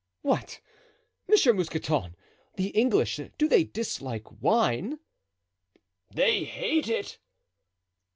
"What! Monsieur Mousqueton! The English—do they dislike wine?" "They hate it."